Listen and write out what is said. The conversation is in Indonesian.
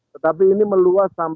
tetapi ini meluas sampai